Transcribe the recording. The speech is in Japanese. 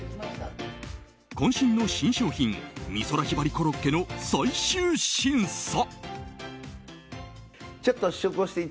渾身の新商品美空ひばりコロッケの最終審査。